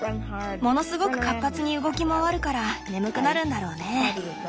ものすごく活発に動き回るから眠くなるんだろうね。